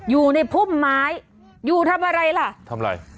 อยู่ในพุ่มไม้อยู่ทำอะไรล่ะทำอะไร